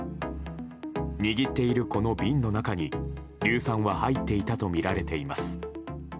握っているこの瓶の中に、硫酸は入っていたとみられています。